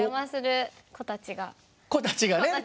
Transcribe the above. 子たちがね。